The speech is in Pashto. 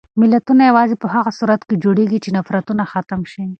ملتونه یوازې په هغه صورت کې جوړېږي چې نفرتونه ختم شي.